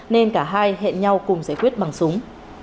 nên cả hai hẹn nhau cùng giải quyết bằng súng